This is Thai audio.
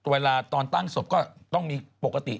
เวลาตอนตั้งศพก็ต้องมีปกติ